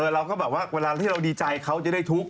เราก็แบบว่าเวลาที่เราดีใจเขาจะได้ทุกข์